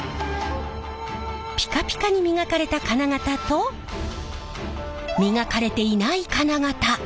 ピカピカに磨かれた金型と磨かれていない金型。